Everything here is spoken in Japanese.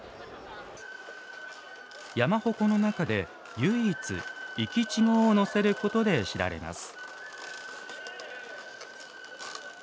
山鉾の中で、唯一生稚児を乗せることで知られます。